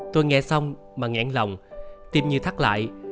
tôi nghe xong mà ngạn lòng tim như thắt lại